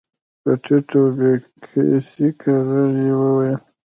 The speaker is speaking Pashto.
په ټيټ او بې سېکه غږ يې وويل.